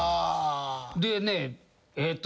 でねえっと